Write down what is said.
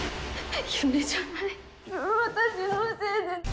夢じゃない私のせいで！